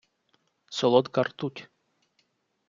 Солодка ртуть...